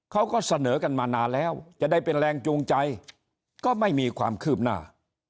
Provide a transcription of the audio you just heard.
เขาก็เสนอกันมานานแล้วจะได้เป็นแรงจูงใจก็ไม่มีความคืบหน้า